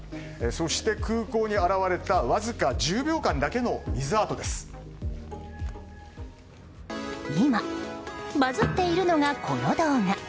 そして空港に現れたわずか１０秒間だけの今、バズっているのがこの動画。